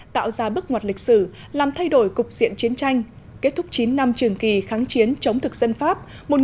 tạo ra bức ngoặt lịch sử làm thay đổi cục diện chiến tranh kết thúc chín năm trường kỳ kháng chiến chống thực dân pháp một nghìn chín trăm bốn mươi năm một nghìn chín trăm năm mươi bốn